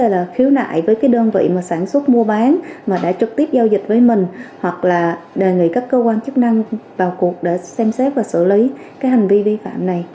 rồi là khiếu nại với cái đơn vị mà sản xuất mua bán mà đã trực tiếp giao dịch với mình hoặc là đề nghị các cơ quan chức năng vào cuộc để xem xét và xử lý cái hành vi vi phạm này